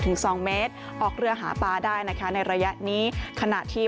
สองเมตรออกเรือหาปลาได้นะคะในระยะนี้ขณะที่